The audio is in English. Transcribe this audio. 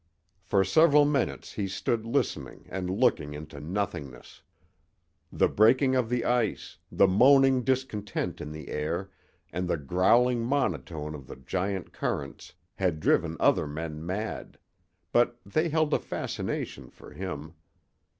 For several minutes he stood listening and looking into nothingness. The breaking of the ice, the moaning discontent in the air, and the growling monotone of the giant currents had driven other men mad; but they held a fascination for him.